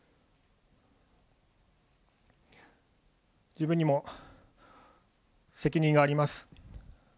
自分にも責任があります。